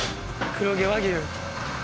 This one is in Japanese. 黒毛和牛。